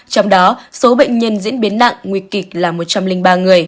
trong đó số bệnh nhân diễn biến nặng nguy kịch là một trăm linh ba người